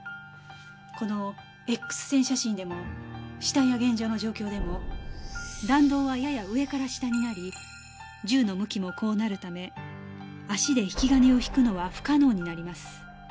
このＸ線写真でも死体や現場の状況でも弾道はやや上から下になり銃の向きもこうなるため足で引き金を引くのは不可能になります。